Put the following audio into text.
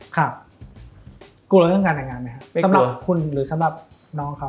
กลัวเรื่องขนาดงานไหมครับสำหรับคุณหรือสำหรับน้องครับ